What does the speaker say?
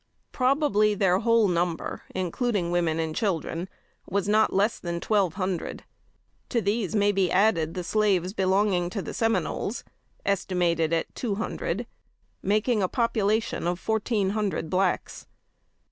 Probably their whole number, including women and children, was not less than twelve hundred. To these may be added the slaves belonging to the Seminoles, estimated at two hundred, making a population of fourteen hundred blacks.